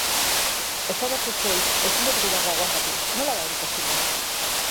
Esadazu zeuk, ezin dut gehiago agoantatu, nola da hori posible?